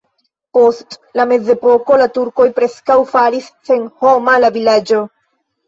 Post la mezepoko la turkoj preskaŭ faris senhoma la vilaĝon.